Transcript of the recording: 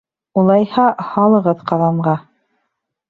Улайһа, һалығыҙ ҡаҙанға.